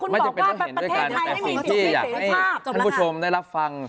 แล้วคุณบอกว่าประเภทไทยไม่มีสถิติอยากให้ท่านผู้ชมได้รับฟัง